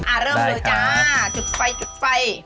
อ่ะเริ่มเลยจ้าจุดไฟ